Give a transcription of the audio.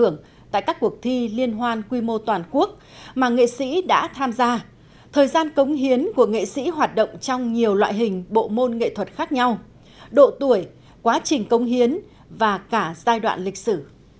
các nghệ sĩ đã tham gia các cuộc thi liên hoan quy mô toàn quốc thời gian cống hiến của nghệ sĩ hoạt động trong nhiều loại hình bộ môn nghệ thuật khác nhau độ tuổi quá trình cống hiến và cả giai đoạn lịch sử